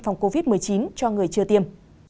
phòng covid một mươi chín cho người chưa tiêm